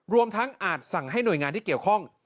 รวมทั้งอาจสั่งให้หน่วยงานที่เกี่ยวข้อง